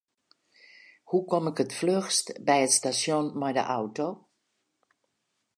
Hoe kom ik it fluchst by it stasjon mei de auto?